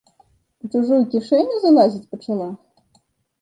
У чужую кішэню залазіць пачала.